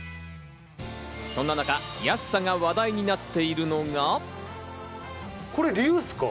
そんな中、安さが話題になっているのが。